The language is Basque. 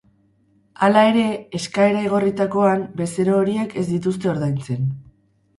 Hala ere, eskaera igorritakoan, bezero horiek ez dituzte ordaintzen.